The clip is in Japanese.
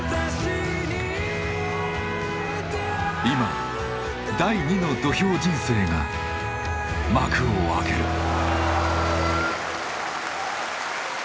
今第二の土俵人生が幕を開ける。